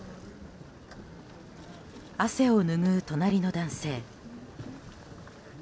汗を拭う、隣の男性。